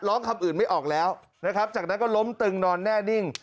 คำอื่นไม่ออกแล้วนะครับจากนั้นก็ล้มตึงนอนแน่นิ่ง